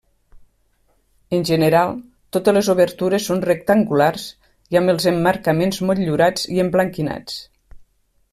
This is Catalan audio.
En general, totes les obertures són rectangulars i amb els emmarcaments motllurats i emblanquinats.